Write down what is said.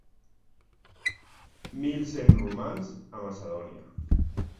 Mil cent romans a Macedònia.